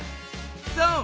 そう！